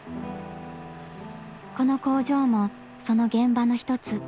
この工場もその現場の一つ。